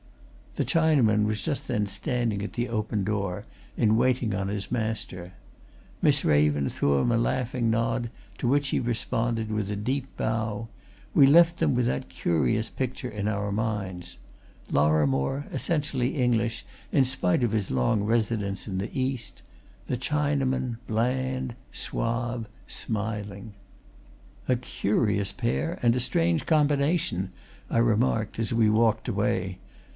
The Chinaman was just then standing at the open door, in waiting on his master. Miss Raven threw him a laughing nod to which he responded with a deep bow we left them with that curious picture in our minds: Lorrimore, essentially English in spite of his long residence in the East; the Chinaman, bland, suave, smiling. "A curious pair and a strange combination!" I remarked as we walked away.